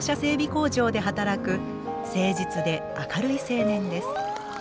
工場で働く誠実で明るい青年です。